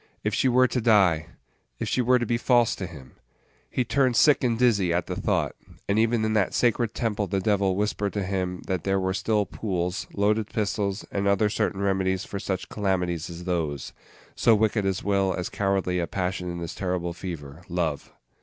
If she were to die! If she were to be false to him! He turned sick and dizzy at the thought; and even in that sacred temple the Devil whispered to him that there were still pools, loaded pistols, and other certain remedies for such calamities as those, so wicked as well as cowardly a passion is this terrible fever, Love!